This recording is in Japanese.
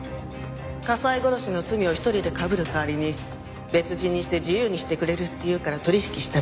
加西殺しの罪を一人でかぶる代わりに別人にして自由にしてくれるっていうから取引しただけ。